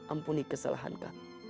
ampuni kesalahan kami